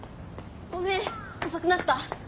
ごめん遅くなった。